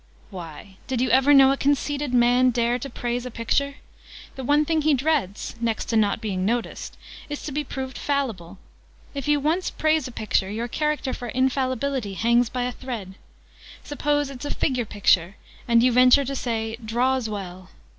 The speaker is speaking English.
"Why, did you ever know a conceited man dare to praise a picture? The one thing he dreads (next to not being noticed) is to be proved fallible! If you once praise a picture, your character for infallibility hangs by a thread. Suppose it's a figure picture, and you venture to say 'draws well.'